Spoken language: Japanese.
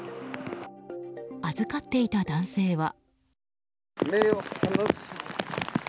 預かっていた男性は。